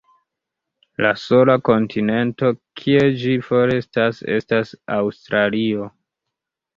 La sola kontinento kie ĝi forestas estas Aŭstralio.